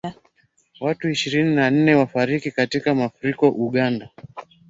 Watu ishirini na nne wafariki katika mafuriko Uganda